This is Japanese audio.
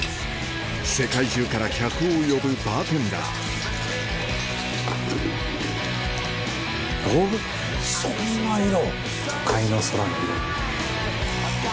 世界中から客を呼ぶバーテンダーおっそんな色？